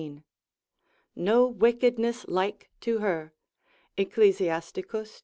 no wickedness like to her, Ecclus.